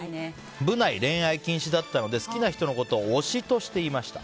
部内恋愛禁止だったので好きな人のことを推しとしていました。